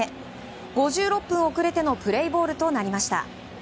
５６分遅れてのプレーボールとなりました。